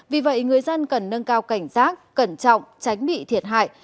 vì vậy người dân cần nâng cao cảnh giác cẩn trọng tránh bị thiệt hại